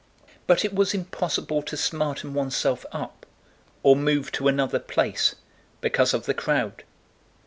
But it was impossible to smarten oneself up or move to another place, because of the crowd.